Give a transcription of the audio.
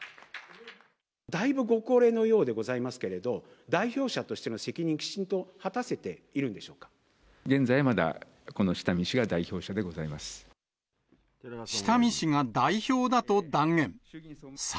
だいぶご高齢のようでございますけれど、代表者としての責任、きちんと果たせているんでしょう現在まだ、下見氏が代表だと断言。